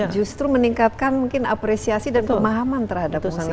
justru meningkatkan mungkin apresiasi dan pemahaman terhadap musik itu sendiri